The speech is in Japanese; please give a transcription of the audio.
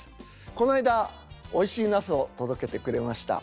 この間おいしいナスを届けてくれました。